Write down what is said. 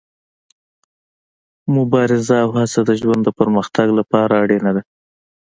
مبارزه او هڅه د ژوند د پرمختګ لپاره اړینه ده.